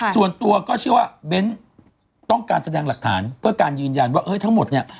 ส่วนตัวก็เชื่อว่าเบ้นต้องการแสดงหลักฐานเพื่อการยืนยันว่าทั้งหมดเนี่ย